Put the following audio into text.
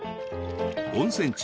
温泉地